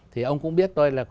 thì ông cũng biết tôi là